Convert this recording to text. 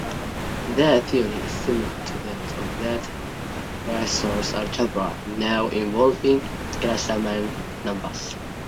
Their theory is similar to that of the Virasoro algebra, now involving Grassmann numbers.